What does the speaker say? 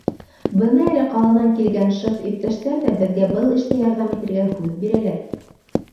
Бына әле ҡаланан килгән шеф иптәштәр ҙә беҙгә был эштә ярҙам итергә һүҙ бирәләр.